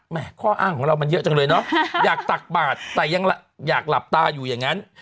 ข้ออ้างของเรามันเยอะจังเลยเนาะอยากตักบาทแต่ยังอยากหลับตาอยู่อย่างนั้น